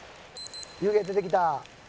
湯気出てきた。